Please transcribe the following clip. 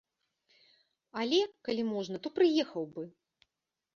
Але, калі можна, то прыехаў бы.